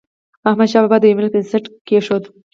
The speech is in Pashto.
احمد شاه بابا د یو ملت بنسټ کېښود.